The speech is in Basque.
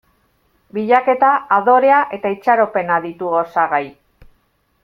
Bilaketa, adorea eta itxaropena ditu osagai.